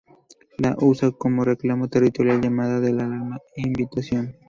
La usa como reclamo territorial, llamada de alarma e invitación.